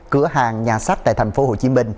cửa hàng nhà sách tại tp hcm